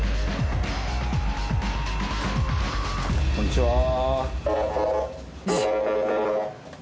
こんにちは。